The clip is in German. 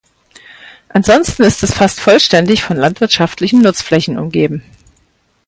Ansonsten ist es fast vollständig von landwirtschaftlichen Nutzflächen umgeben.